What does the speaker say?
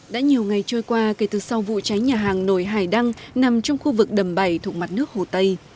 đã nhiều ngày trôi qua kể từ sau vụ cháy nhà hàng nổi hải đăng nằm trong khu vực đầm bảy thuộc mặt nước hồ tây